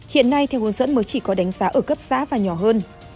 hiện nay theo hướng dẫn mới chỉ có đánh giá ở cấp xã và nhỏ hơn